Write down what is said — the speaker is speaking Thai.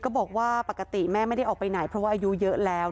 บอกว่าปกติแม่ไม่ได้ออกไปไหนเพราะว่าอายุเยอะแล้ว